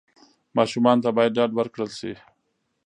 ماشومانو ته باید ډاډ ورکړل سي.